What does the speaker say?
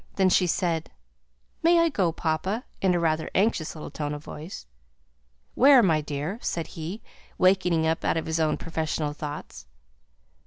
Then she said, "May I go, papa?" in rather an anxious little tone of voice. "Where, my dear?" said he, wakening up out of his own professional thoughts.